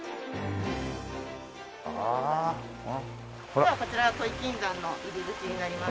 ではこちらが土肥金山の入り口になります。